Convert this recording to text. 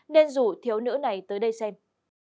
nên rủ thiếu nữ này tới đây xem